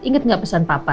ingat gak pesan papa